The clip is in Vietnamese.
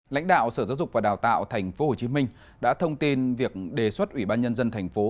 lãnh đạo sở giáo dục và đào tạo tp hcm đã thông tin việc đề xuất ủy ban nhân dân thành phố